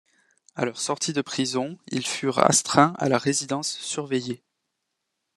À leur sortie de prison, ils furent astreints à la résidence surveillée.